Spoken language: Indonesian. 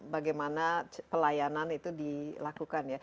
bagaimana pelayanan itu dilakukan